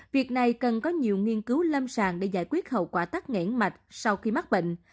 việc này cần có nhiều nghiên cứu lâm sàng để giải quyết hậu quả tắc nghẽn mạch sau khi mắc bệnh